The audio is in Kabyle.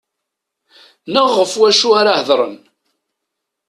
Neɣ ɣef wacu ara hedren.